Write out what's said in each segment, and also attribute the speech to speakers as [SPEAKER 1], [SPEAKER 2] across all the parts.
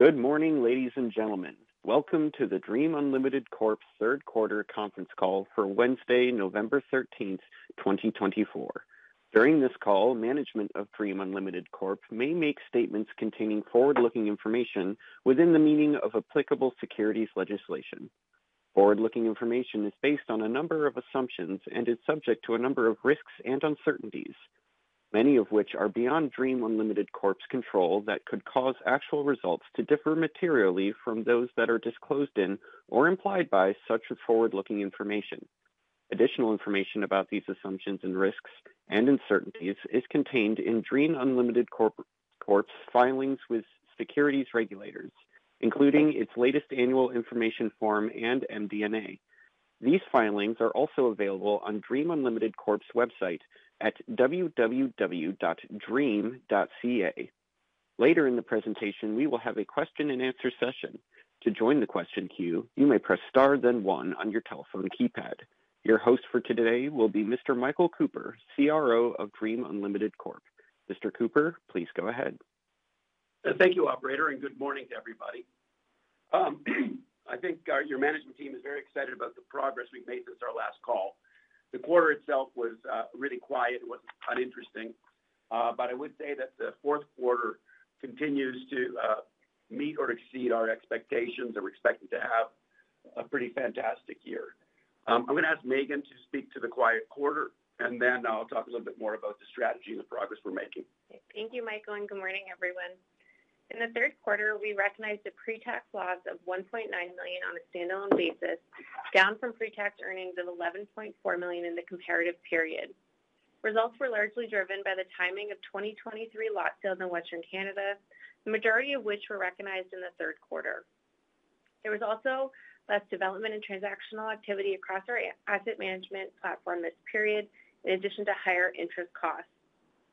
[SPEAKER 1] Good morning, ladies and gentlemen. Welcome to the Dream Unlimited Corp's third quarter conference call for Wednesday, November 13th, 2024. During this call, management of Dream Unlimited Corp may make statements containing forward-looking information within the meaning of applicable securities legislation. Forward-looking information is based on a number of assumptions and is subject to a number of risks and uncertainties, many of which are beyond Dream Unlimited Corp's control that could cause actual results to differ materially from those that are disclosed in or implied by such forward-looking information. Additional information about these assumptions and risks and uncertainties is contained in Dream Unlimited Corp's filings with securities regulators, including its latest annual information form and MD&A. These filings are also available on Dream Unlimited Corp's website at www.dream.ca. Later in the presentation, we will have a question-and-answer session. To join the question queue, you may press star, then one on your telephone keypad. Your host for today will be Mr. Michael Cooper, CRO of Dream Unlimited Corp. Mr. Cooper, please go ahead.
[SPEAKER 2] Thank you, Operator, and good morning to everybody. I think your management team is very excited about the progress we've made since our last call. The quarter itself was really quiet. It wasn't uninteresting, but I would say that the fourth quarter continues to meet or exceed our expectations. We're expecting to have a pretty fantastic year. I'm going to ask Meaghan to speak to the quiet quarter, and then I'll talk a little bit more about the strategy and the progress we're making.
[SPEAKER 3] Thank you, Michael, and good morning, everyone. In the third quarter, we recognized the pre-tax loss of 1.9 million on a standalone basis, down from pre-tax earnings of 11.4 million in the comparative period. Results were largely driven by the timing of 2023 lot sales in Western Canada, the majority of which were recognized in the third quarter. There was also less development and transactional activity across our asset management platform this period, in addition to higher interest costs.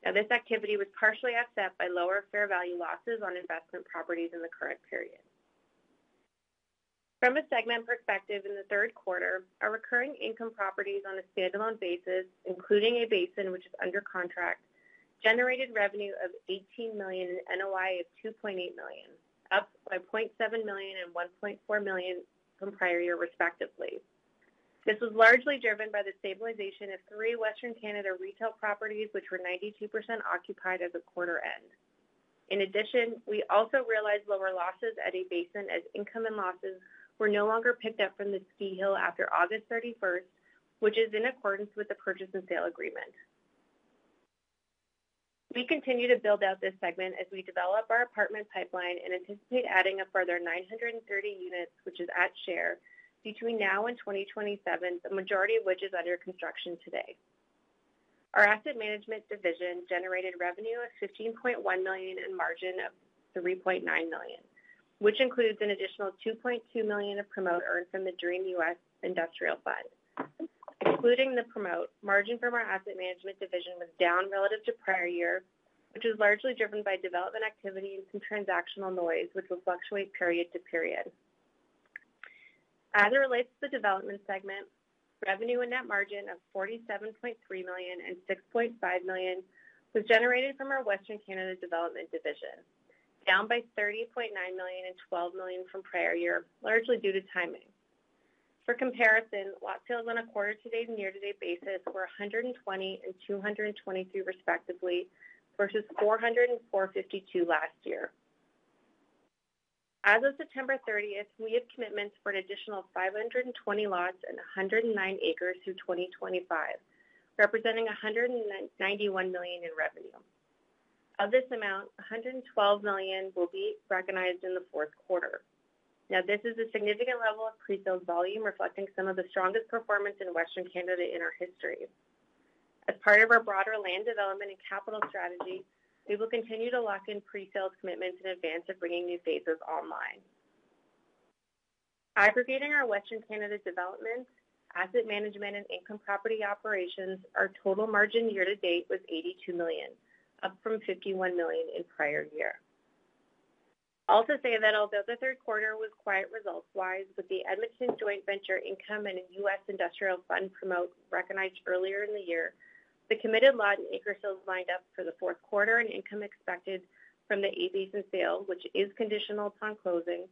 [SPEAKER 3] Now, this activity was partially offset by lower fair value losses on investment properties in the current period. From a segment perspective, in the third quarter, our recurring income properties on a standalone basis, including A Basin which is under contract, generated revenue of 18 million and an NOI of 2.8 million, up by 0.7 million and 1.4 million from prior year, respectively. This was largely driven by the stabilization of three Western Canada retail properties, which were 92% occupied at the quarter end. In addition, we also realized lower losses at A Basin as income and losses were no longer picked up from the ski hill after August 31st, which is in accordance with the purchase and sale agreement. We continue to build out this segment as we develop our apartment pipeline and anticipate adding a further 930 units, which is at share, between now and 2027, the majority of which is under construction today. Our asset management division generated revenue of 15.1 million and a margin of 3.9 million, which includes an additional 2.2 million of promote earned from the Dream U.S. Industrial Fund. Excluding the promote, margin from our asset management division was down relative to prior year, which was largely driven by development activity and some transactional noise, which will fluctuate period to period. As it relates to the development segment, revenue and net margin of 47.3 million and 6.5 million was generated from our Western Canada Development division, down by 30.9 million and 12 million from prior year, largely due to timing. For comparison, lot sales on a quarter-to-date and year-to-date basis were 120 and 223, respectively, versus 404.52 last year. As of September 30th, we have commitments for an additional 520 lots and 109 acres through 2025, representing 191 million in revenue. Of this amount, 112 million will be recognized in the fourth quarter. Now, this is a significant level of presales volume, reflecting some of the strongest performance in Western Canada in our history. As part of our broader land development and capital strategy, we will continue to lock in presales commitments in advance of bringing new phases online. Aggregating our Western Canada Development, asset management, and income property operations, our total margin year-to-date was 82 million, up from 51 million in prior year. I'll also say that although the third quarter was quiet results-wise, with the Edmonton joint venture income and a U.S. Industrial Fund promote recognized earlier in the year, the committed lot and acre sales lined up for the fourth quarter and income expected from the A Basin sale, which is conditional upon closing,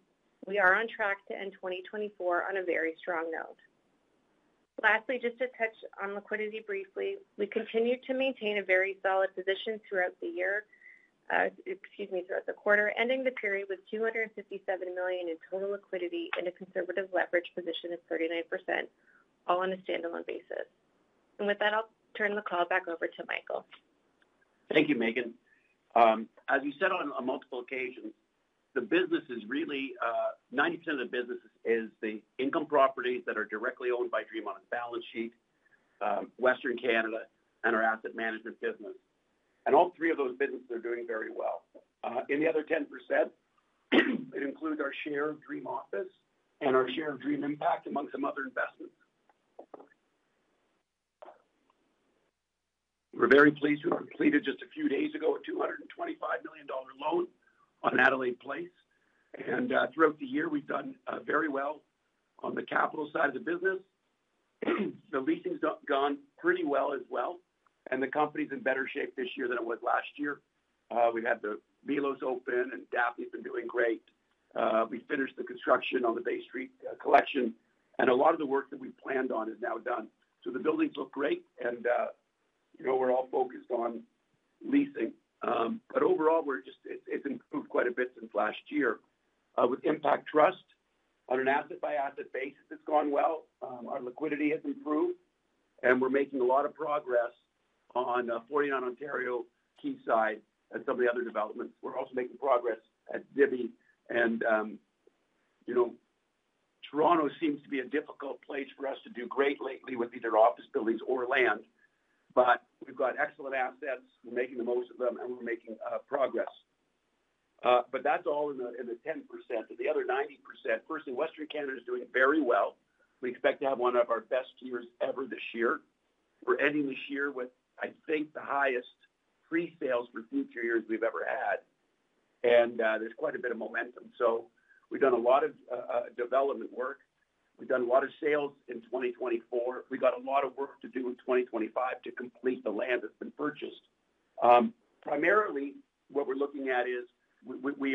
[SPEAKER 3] we are on track to end 2024 on a very strong note. Lastly, just to touch on liquidity briefly, we continue to maintain a very solid position throughout the year, excuse me, throughout the quarter, ending the period with 257 million in total liquidity and a conservative leverage position of 39%, all on a standalone basis. And with that, I'll turn the call back over to Michael.
[SPEAKER 2] Thank you, Meaghan. As you said on multiple occasions, the business is really 90% of the business is the income properties that are directly owned by Dream on its balance sheet, Western Canada, and our asset management business. And all three of those businesses are doing very well. In the other 10%, it includes our share of Dream Office and our share of Dream Impact among some other investments. We're very pleased. We completed just a few days ago a 225 million dollar loan on Adelaide Place. And throughout the year, we've done very well on the capital side of the business. The leasing's gone pretty well as well, and the company's in better shape this year than it was last year. We've had the Milos open, and Daphne's been doing great. We finished the construction on the Bay Street Collection, and a lot of the work that we've planned on is now done. So the buildings look great, and we're all focused on leasing. But overall, it's improved quite a bit since last year. With Impact Trust on an asset-by-asset basis, it's gone well. Our liquidity has improved, and we're making a lot of progress on 49 Ontario, Quayside, and some of the other developments. We're also making progress at Zibi, and Toronto seems to be a difficult place for us to do great lately with either office buildings or land. But we've got excellent assets. We're making the most of them, and we're making progress, but that's all in the 10%. The other 90%, firstly, Western Canada is doing very well. We expect to have one of our best years ever this year. We're ending this year with, I think, the highest presales for future years we've ever had. And there's quite a bit of momentum. So we've done a lot of development work. We've done a lot of sales in 2024. We've got a lot of work to do in 2025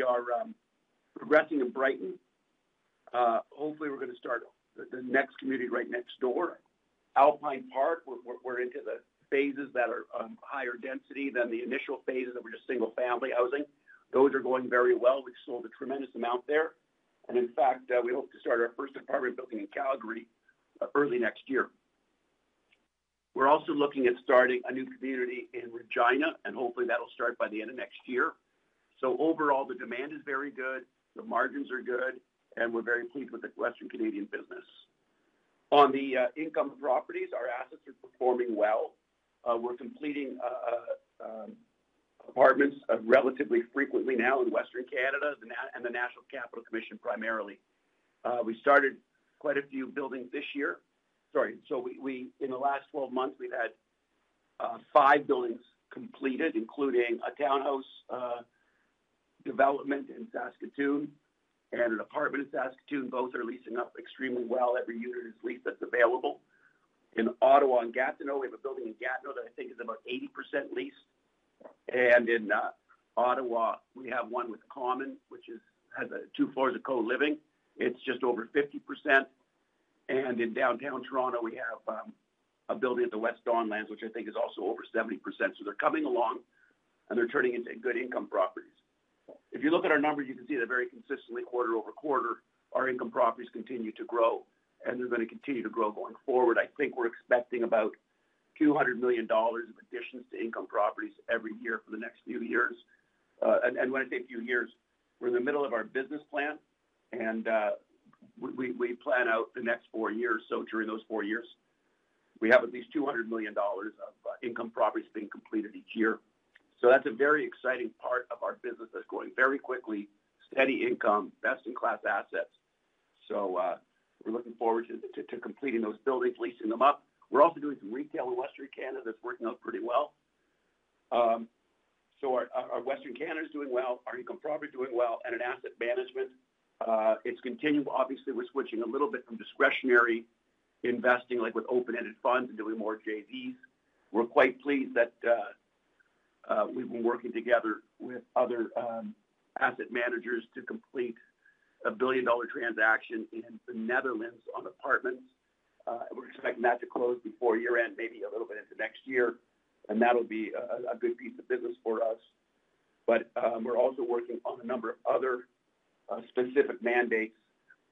[SPEAKER 2] to complete the land that's been purchased. Primarily, what we're looking at is we are progressing in Brighton. Hopefully, we're going to start the next community right next door. Alpine Park, we're into the phases that are higher density than the initial phases that were just single-family housing. Those are going very well. We've sold a tremendous amount there. And in fact, we hope to start our first apartment building in Calgary early next year. We're also looking at starting a new community in Regina, and hopefully, that'll start by the end of next year. So overall, the demand is very good. The margins are good, and we're very pleased with the Western Canadian business. On the income properties, our assets are performing well. We're completing apartments relatively frequently now in Western Canada and the National Capital Commission primarily. We started quite a few buildings this year. Sorry, so in the last 12 months, we've had five buildings completed, including a townhouse development in Saskatoon and an apartment in Saskatoon. Both are leasing up extremely well. Every unit is leased that's available. In Ottawa and Gatineau, we have a building in Gatineau that I think is about 80% leased. And in Ottawa, we have one with Common, which has two floors of co-living. It's just over 50%, and in downtown Toronto, we have a building at the West Don Lands, which I think is also over 70%. So they're coming along, and they're turning into good income properties. If you look at our numbers, you can see that very consistently, quarter over quarter, our income properties continue to grow, and they're going to continue to grow going forward. I think we're expecting about 200 million dollars of additions to income properties every year for the next few years. And when I say a few years, we're in the middle of our business plan, and we plan out the next four years. So during those four years, we have at least 200 million dollars of income properties being completed each year. So that's a very exciting part of our business that's going very quickly, steady income, best-in-class assets. So we're looking forward to completing those buildings, leasing them up. We're also doing some retail in Western Canada that's working out pretty well. So our Western Canada is doing well, our income property is doing well, and in asset management, it's continued. Obviously, we're switching a little bit from discretionary investing, like with open-ended funds and doing more JVs. We're quite pleased that we've been working together with other asset managers to complete a billion-dollar transaction in the Netherlands on apartments. We're expecting that to close before year-end, maybe a little bit into next year, and that'll be a good piece of business for us. But we're also working on a number of other specific mandates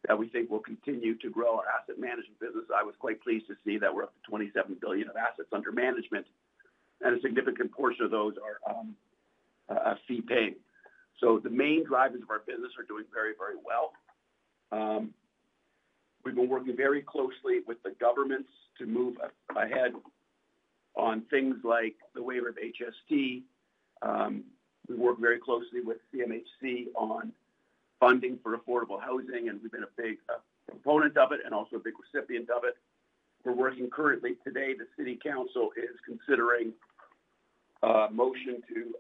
[SPEAKER 2] that we think will continue to grow our asset management business. I was quite pleased to see that we're up to 27 billion of assets under management, and a significant portion of those are fee-paying. So the main drivers of our business are doing very, very well. We've been working very closely with the governments to move ahead on things like the waiver of HST. We work very closely with CMHC on funding for affordable housing, and we've been a big proponent of it and also a big recipient of it. We're working currently. Today, the city council is considering a motion to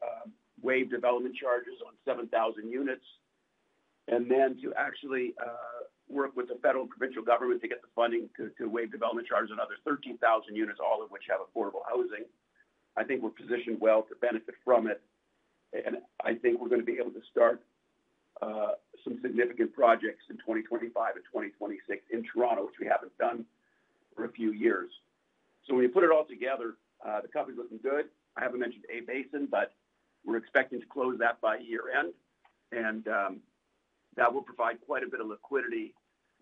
[SPEAKER 2] waive development charges on 7,000 units and then to actually work with the federal and provincial government to get the funding to waive development charges on another 13,000 units, all of which have affordable housing. I think we're positioned well to benefit from it. And I think we're going to be able to start some significant projects in 2025 and 2026 in Toronto, which we haven't done for a few years. So when you put it all together, the company's looking good. I haven't mentioned A Basin, but we're expecting to close that by year-end, and that will provide quite a bit of liquidity.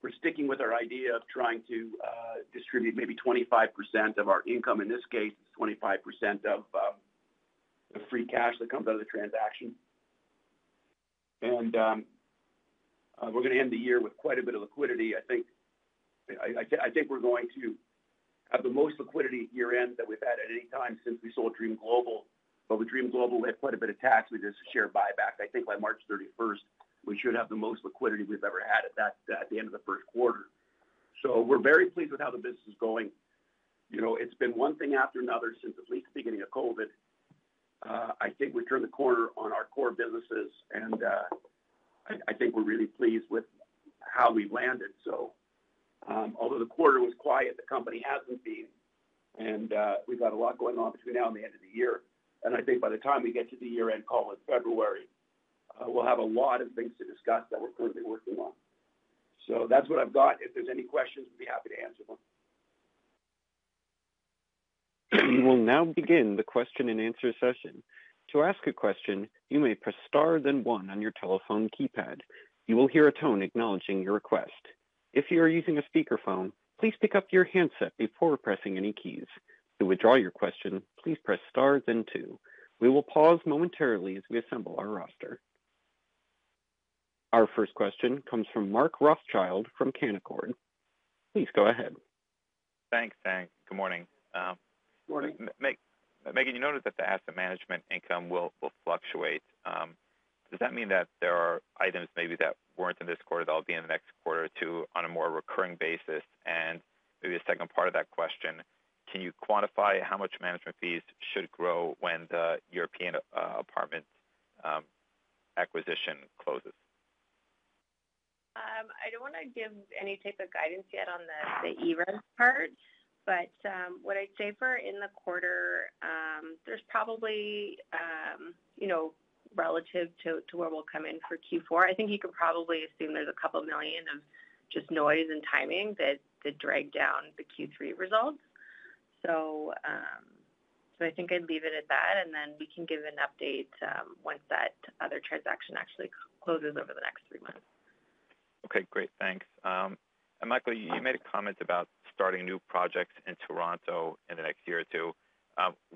[SPEAKER 2] We're sticking with our idea of trying to distribute maybe 25% of our income. In this case, it's 25% of the free cash that comes out of the transaction, and we're going to end the year with quite a bit of liquidity. I think we're going to have the most liquidity year-end that we've had at any time since we sold Dream Global, but with Dream Global, we had quite a bit of tax with this share buyback. I think by March 31st, we should have the most liquidity we've ever had at the end of the first quarter, so we're very pleased with how the business is going. It's been one thing after another since at least the beginning of COVID. I think we've turned the corner on our core businesses, and I think we're really pleased with how we've landed. So although the quarter was quiet, the company hasn't been. And we've got a lot going on between now and the end of the year. And I think by the time we get to the year-end call in February, we'll have a lot of things to discuss that we're currently working on. So that's what I've got. If there's any questions, we'd be happy to answer them.
[SPEAKER 1] We'll now begin the question-and-answer session. To ask a question, you may press star then one on your telephone keypad. You will hear a tone acknowledging your request. If you are using a speakerphone, please pick up your handset before pressing any keys. To withdraw your question, please press star then two. We will pause momentarily as we assemble our roster. Our first question comes from Mark Rothschild from Canaccord. Please go ahead.
[SPEAKER 4] Thanks. Thanks. Good morning.
[SPEAKER 2] Good morning.
[SPEAKER 4] Meaghan, you noted that the asset management income will fluctuate. Does that mean that there are items maybe that weren't in this quarter that'll be in the next quarter or two on a more recurring basis? And maybe the second part of that question, can you quantify how much management fees should grow when the European apartment acquisition closes?
[SPEAKER 3] I don't want to give any type of guidance yet on the ERES part, but what I'd say for in the quarter, there's probably relative to where we'll come in for Q4, I think you could probably assume there's 2 million of just noise and timing that dragged down the Q3 results. So I think I'd leave it at that, and then we can give an update once that other transaction actually closes over the next three months.
[SPEAKER 4] Okay. Great. Thanks. And Michael, you made a comment about starting new projects in Toronto in the next year or two.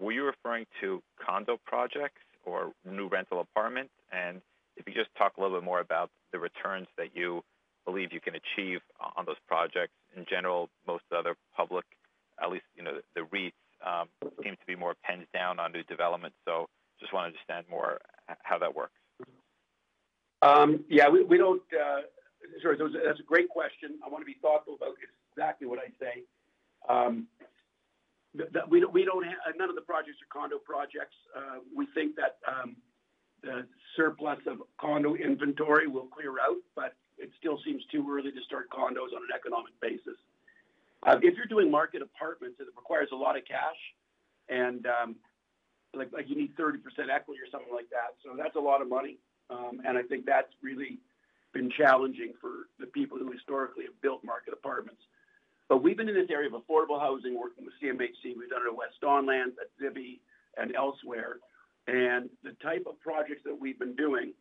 [SPEAKER 4] Were you referring to condo projects or new rental apartments? And if you could just talk a little bit more about the returns that you believe you can achieve on those projects. In general, most other public, at least the REITs, seem to be more pinned down on new development. So just wanted to understand more how that works.
[SPEAKER 2] Yeah. Sorry. That's a great question. I want to be thoughtful about exactly what I say. None of the projects are condo projects. We think that the surplus of condo inventory will clear out, but it still seems too early to start condos on an economic basis. If you're doing market apartments, it requires a lot of cash, and you need 30% equity or something like that. So that's a lot of money, and I think that's really been challenging for the people who historically have built market apartments, but we've been in this area of affordable housing working with CMHC. We've done it at West Don Lands, at Zibi, and elsewhere, and the type of projects that we've been doing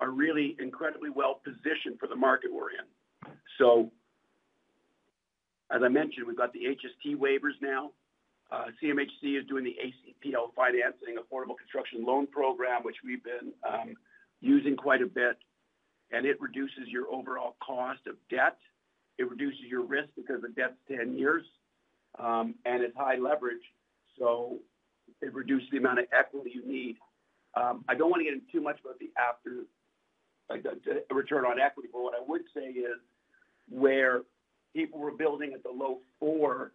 [SPEAKER 2] are really incredibly well-positioned for the market we're in, so as I mentioned, we've got the HST waivers now. CMHC is doing the ACPL financing, affordable construction loan program, which we've been using quite a bit, and it reduces your overall cost of debt. It reduces your risk because the debt's 10 years, and it's high leverage, so it reduces the amount of equity you need. I don't want to get into too much about the return on equity, but what I would say is where people were building at the low four,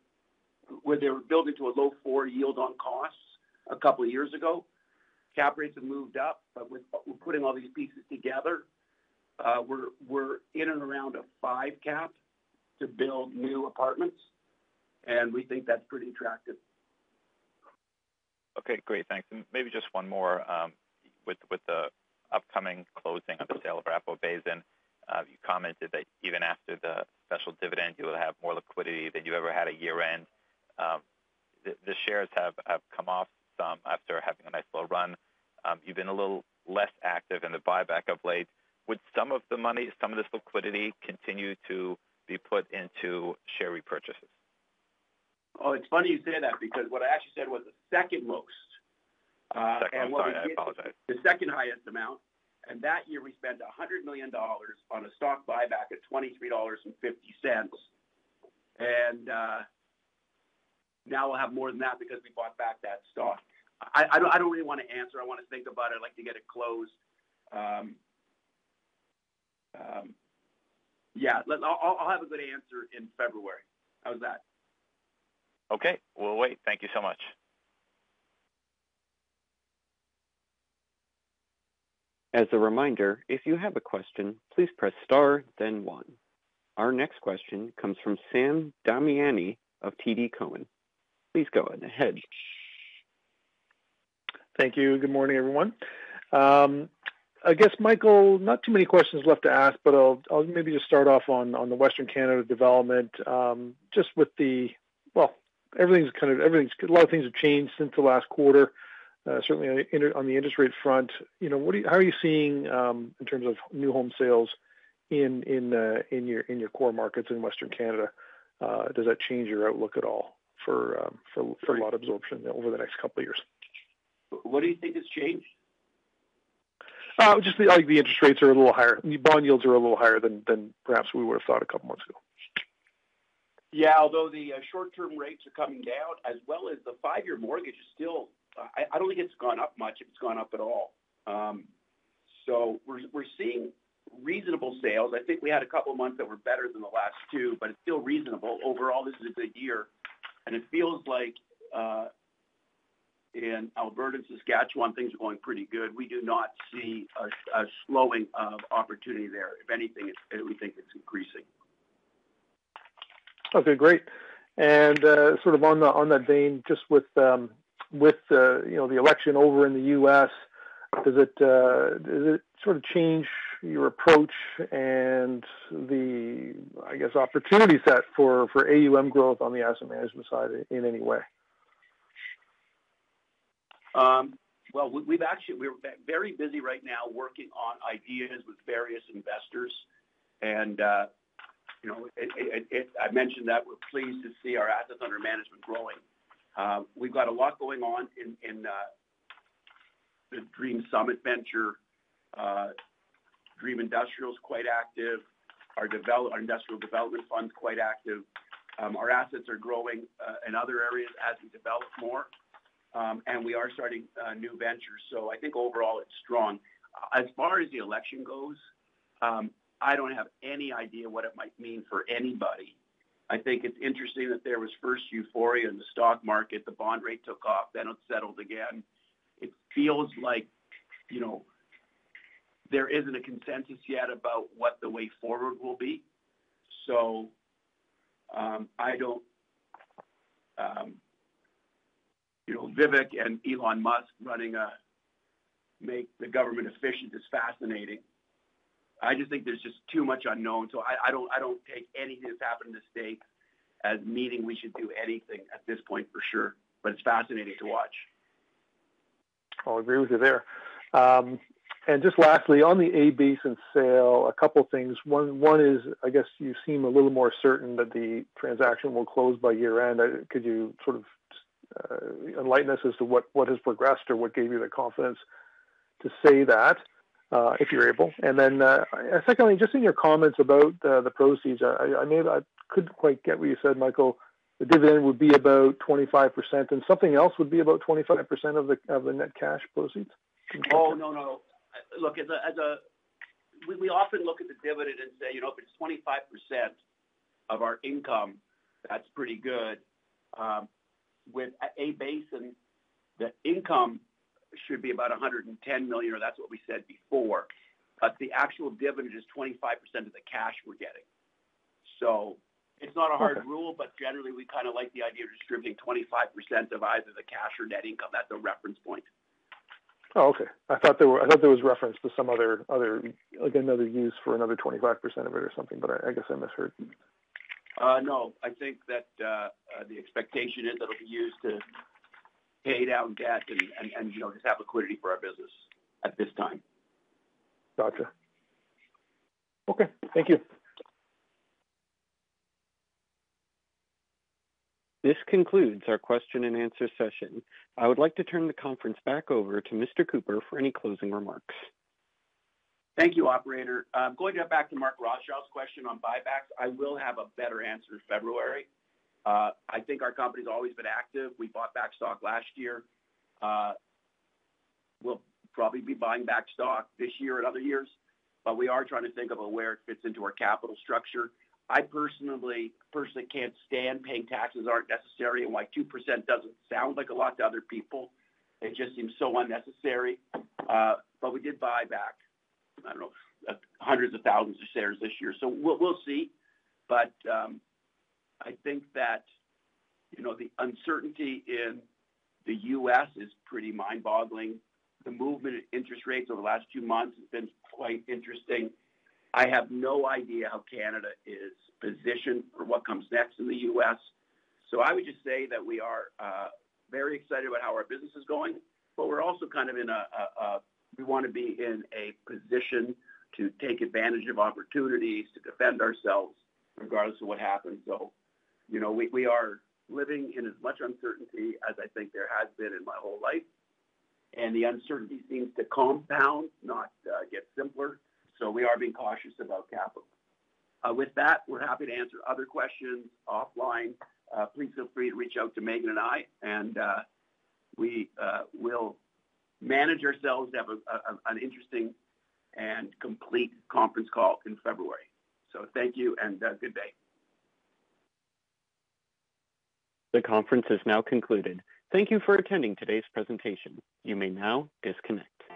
[SPEAKER 2] where they were building to a low four yield on costs a couple of years ago, cap rates have moved up, but with putting all these pieces together, we're in and around a five cap to build new apartments, and we think that's pretty attractive.
[SPEAKER 4] Okay. Great. Thanks, and maybe just one more with the upcoming closing of the sale of Arapahoe Basin. You commented that even after the special dividend, you will have more liquidity than you ever had at year-end. The shares have come off some after having a nice long run. You've been a little less active in the buyback of late. Would some of this liquidity continue to be put into share repurchases?
[SPEAKER 2] Oh, it's funny you say that because what I actually said was the second most.
[SPEAKER 4] Second highest, I apologize.
[SPEAKER 2] The second highest amount. That year, we spent 100 million dollars on a stock buyback at 23.50 dollars. And now we'll have more than that because we bought back that stock. I don't really want to answer. I want to think about it, like to get it closed. Yeah. I'll have a good answer in February. How's that?
[SPEAKER 4] Okay. We'll wait. Thank you so much.
[SPEAKER 1] As a reminder, if you have a question, please press star, then one. Our next question comes from Sam Damiani of TD Cowen. Please go ahead.
[SPEAKER 5] Thank you. Good morning, everyone. I guess, Michael, not too many questions left to ask, but I'll maybe just start off on the Western Canada development just with the, well, everything's kind of a lot of things have changed since the last quarter, certainly on the interest rate front. How are you seeing in terms of new home sales in your core markets in Western Canada? Does that change your outlook at all for a lot of absorption over the next couple of years?
[SPEAKER 2] What do you think has changed?
[SPEAKER 5] Just the interest rates are a little higher. The bond yields are a little higher than perhaps we would have thought a couple of months ago.
[SPEAKER 2] Yeah. Although the short-term rates are coming down, as well as the five-year mortgage is still. I don't think it's gone up much, if it's gone up at all, so we're seeing reasonable sales. I think we had a couple of months that were better than the last two, but it's still reasonable. Overall, this is a good year, and it feels like in Alberta and Saskatchewan, things are going pretty good. We do not see a slowing of opportunity there. If anything, we think it's increasing.
[SPEAKER 5] Okay. Great, and sort of on that vein, just with the election over in the U.S., does it sort of change your approach and the, I guess, opportunity set for AUM growth on the asset management side in any way?
[SPEAKER 2] We're very busy right now working on ideas with various investors. And I mentioned that we're pleased to see our assets under management growing. We've got a lot going on in the Dream Summit venture. Dream Industrial is quite active. Our industrial development fund is quite active. Our assets are growing in other areas as we develop more. And we are starting new ventures. So I think overall, it's strong. As far as the election goes, I don't have any idea what it might mean for anybody. I think it's interesting that there was first euphoria in the stock market. The bond rate took off, then it settled again. It feels like there isn't a consensus yet about what the way forward will be. So I don't know. Vivek and Elon Musk running a Make the Government Efficient is fascinating. I just think there's just too much unknown. So I don't take anything that's happened in the state as meaning we should do anything at this point for sure. But it's fascinating to watch.
[SPEAKER 5] I'll agree with you there. And just lastly, on the A Basin sale, a couple of things. One is, I guess, you seem a little more certain that the transaction will close by year-end. Could you sort of enlighten us as to what has progressed or what gave you the confidence to say that, if you're able? And then secondly, just in your comments about the proceeds, I couldn't quite get what you said, Michael. The dividend would be about 25%, and something else would be about 25% of the net cash proceeds.
[SPEAKER 2] Oh, no, no. Look, we often look at the dividend and say, "If it's 25% of our income, that's pretty good." With A Basin, the income should be about 110 million, or that's what we said before. But the actual dividend is 25% of the cash we're getting. So it's not a hard rule, but generally, we kind of like the idea of distributing 25% of either the cash or net income. That's a reference point.
[SPEAKER 5] Oh, okay. I thought there was reference to some other use for another 25% of it or something, but I guess I misheard.
[SPEAKER 2] No. I think that the expectation is it'll be used to pay down debt and just have liquidity for our business at this time.
[SPEAKER 5] Gotcha. Okay. Thank you.
[SPEAKER 1] This concludes our question-and-answer session. I would like to turn the conference back over to Mr. Cooper for any closing remarks.
[SPEAKER 2] Thank you, Operator. I'm going to get back to Mark Rothschild's question on buybacks. I will have a better answer in February. I think our company's always been active. We bought back stock last year. We'll probably be buying back stock this year and other years. But we are trying to think of where it fits into our capital structure. I personally can't stand paying taxes aren't necessary, and why 2% doesn't sound like a lot to other people. It just seems so unnecessary. But we did buy back, I don't know, hundreds of thousands of shares this year. So we'll see. But I think that the uncertainty in the U.S. is pretty mind-boggling. The movement in interest rates over the last two months has been quite interesting. I have no idea how Canada is positioned or what comes next in the U.S. So, I would just say that we are very excited about how our business is going, but we're also kind of in a we want to be in a position to take advantage of opportunities to defend ourselves regardless of what happens. So, we are living in as much uncertainty as I think there has been in my whole life. And the uncertainty seems to compound, not get simpler. So, we are being cautious about capital. With that, we're happy to answer other questions offline. Please feel free to reach out to Meaghan and I, and we will manage ourselves to have an interesting and complete conference call in February. So, thank you, and good day.
[SPEAKER 1] The conference has now concluded. Thank you for attending today's presentation. You may now disconnect.